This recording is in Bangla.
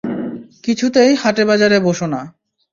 কিছুতেই হাটে-বাজারে বসো না।